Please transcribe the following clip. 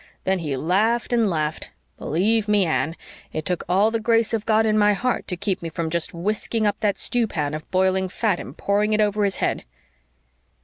Then he laughed and laughed. Believe ME, Anne, it took all the grace of God in my heart to keep me from just whisking up that stew pan of boiling fat and pouring it over his head."